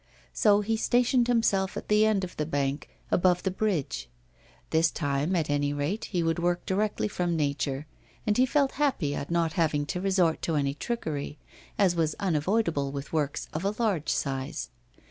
So he stationed himself at the end of the bank, above the bridge. This time, at any rate, he would work directly from nature; and he felt happy at not having to resort to any trickery, as was unavoidable with works of a large size.